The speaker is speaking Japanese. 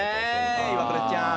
イワクラちゃん。